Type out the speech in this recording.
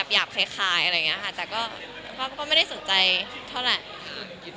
แต่ก็คือเป็นคนไม่ได้สนใจเท่าไหร่